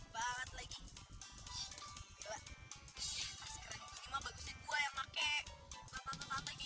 bukan gitu maksudku fat